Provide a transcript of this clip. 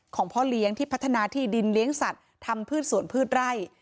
พ่อเลี้ยงที่พัฒนาที่ดินเลี้ยงสัตว์ทำพืชสวนพืชไร่